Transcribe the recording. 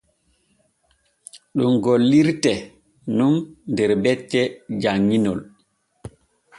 Ɗum gollirte nun der becce janŋinol f́́́́́́́.